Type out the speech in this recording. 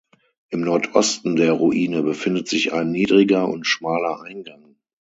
Im Nordosten der Ruine befindet sich ein niedriger und schmaler Eingang.